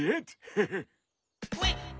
ハハッ。